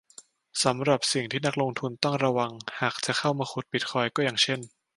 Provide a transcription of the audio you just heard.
สำหรับสิ่งที่นักลงทุนต้องระวังหากจะเข้ามาขุดบิตคอยน์ก็อย่างเช่น